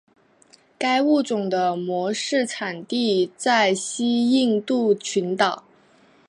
该物种的模式产地在西印度群岛。